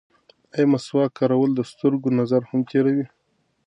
ایا مسواک کارول د سترګو نظر هم تېروي؟